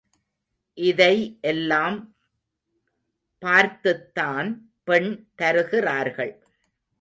இதை எல்லாம் பார்த்துத்தான் பெண் தருகிறார்கள்.